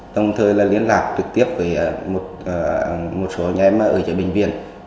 tổng thơ là liên lạc trực tiếp với một số nhà em ở nhà bệnh viện